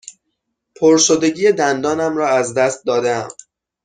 پرشدگی دندانم را از دست داده ام.